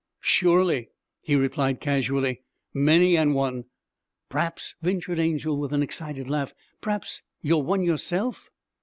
'Surely,' he replied casually, 'many an one.' 'Praps,' ventured Angel, with an excited laugh, 'praps you're one yourself!'